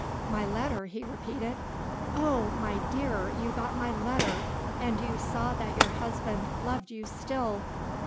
"My letter?" he repeated. "Oh! my dear, you got my letter, and you saw that your husband loved you still."